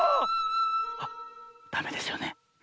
あダメですよね？